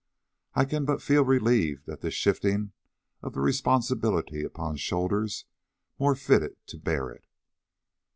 I can but feel relieved at this shifting of the responsibility upon shoulders more fitted to bear it."